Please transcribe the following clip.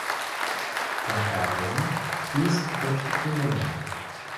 Der Gardon fließt durch die Kommune.